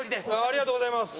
ありがとうございます！